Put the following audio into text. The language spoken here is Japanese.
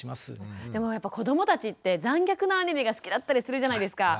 でも子どもたちって残虐なアニメが好きだったりするじゃないですか。